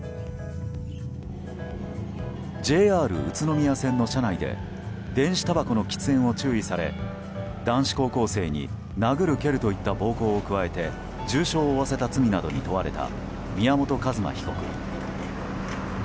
ＪＲ宇都宮線の車内で電子たばこの喫煙を注意され男子高校生に殴る蹴るといった暴行を加えて重傷を負わせた罪などに問われた宮本一馬被告。